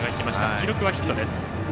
記録はヒットです。